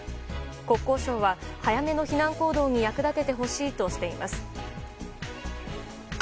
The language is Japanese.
国交省は早めの避難行動に役立ててほしいとしています。